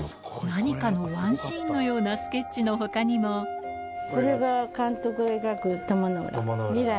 何かのワンシーンのようなスケッチの他にもこれが監督が描く鞆の浦。